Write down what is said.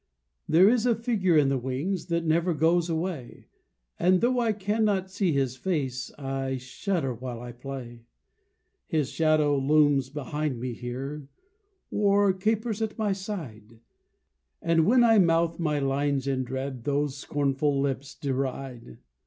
There is a figure in the wings That never goes away, And though I cannot see his face, I shudder while I play. His shadow looms behind me here, Or capers at my side; And when I mouth my lines in dread, Those scornful lips deride.